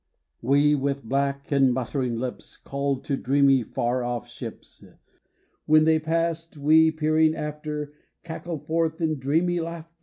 We with black and muttering lips Called to dreamy tar off ships, When they passed, we, peering after, Cackled forth in dreamy laughter.